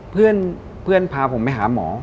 เพื่อนพาผมไปหาหมอ